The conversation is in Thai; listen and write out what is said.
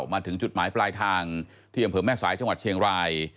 มาถึงจุดหมายปลายทางที่อำเภอแม่สายจังหวัดเชียงราย